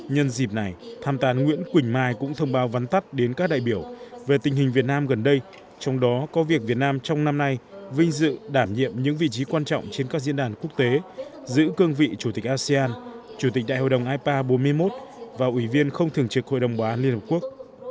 nhân dịp này tham tán nguyễn quỳnh mai cũng thông báo vắn tắt đến các đại biểu về tình hình việt nam gần đây trong đó có việc việt nam trong năm nay vinh dự đảm nhiệm những vị trí quan trọng trên các diễn đàn quốc tế giữ cương vị chủ tịch asean chủ tịch đại hội đồng ipa bốn mươi một và ủy viên không thường trực hội đồng bảo an liên hợp quốc